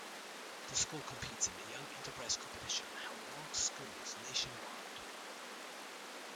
The school competes in the Young Enterprise competition held amongst schools nationwide.